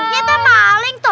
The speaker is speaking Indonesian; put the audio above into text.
ya kan malin tuh